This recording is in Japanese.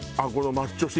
マッチョ！！